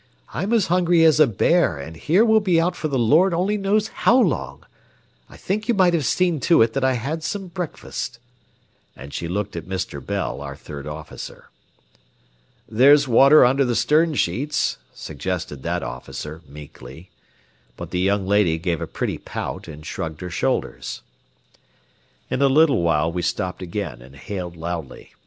"I'm as hungry as a bear, and here we'll be out for the Lord only knows how long. I think you might have seen to it that I had some breakfast." And she looked at Mr. Bell, our third officer. "There's water under the stern sheets," suggested that officer, meekly. But the young lady gave a pretty pout, and shrugged her shoulders. In a little while we stopped again and hailed loudly.